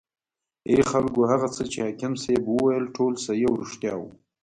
ای خلکو هغه څه چې حاکم صیب وویل ټول صحیح او ریښتیا و.